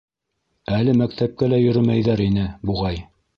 Әле мәктәпкә лә йөрөмәйҙәр ине, буғай.